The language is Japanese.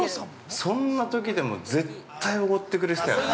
そんなときでも、絶対おごってくれてたよね。